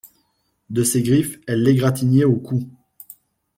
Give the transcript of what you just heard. De ses griffes elle l'égratignait au cou.